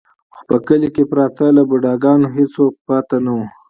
خو په کلي کې پرته له بوډا ګانو هېڅوک پاتې نه و.